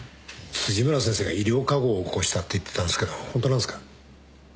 辻村先生が医療過誤を起こしたって言ってたんすけどホントなんすか？